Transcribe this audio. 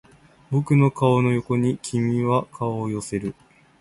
僕の顔の横に君は顔を寄せる